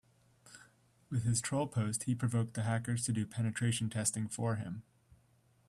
With his troll post he provoked the hackers to do penetration testing for him.